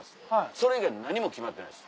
それ以外何も決まってないです。